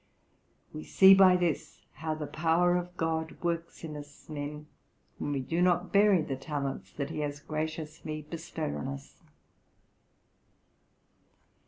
We see by this how the power of God works in us men when we do not bury the talents that He has graciously bestowed on us.